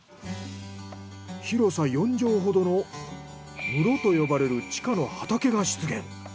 広さ４畳ほどの室と呼ばれる地下の畑が出現。